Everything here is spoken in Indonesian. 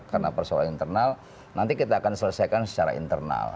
karena persoalan internal nanti kita akan selesaikan secara internal